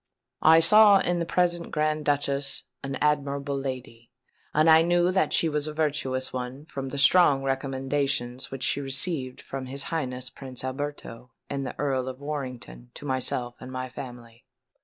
I saw in the present Grand Duchess an amiable lady; and I knew that she was a virtuous one from the strong recommendations which she received from his Highness Prince Alberto and the Earl of Warrington to myself and my family.